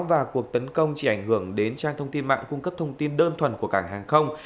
và cuộc tấn công chỉ ảnh hưởng đến trang thông tin mạng cung cấp thông tin đơn thuần của cảng hàng không